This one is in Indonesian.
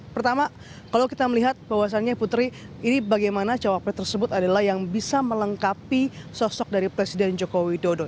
pertama kalau kita melihat bahwasannya putri ini bagaimana cawapres tersebut adalah yang bisa melengkapi sosok dari presiden joko widodo